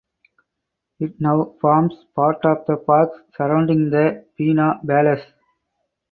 It now forms part of the park surrounding the Pena Palace.